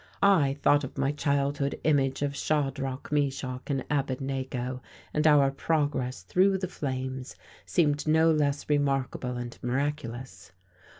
I thought of my childhood image of Shadrach, Meshach and Abednego, and our progress through the flames seemed no less remarkable and miraculous.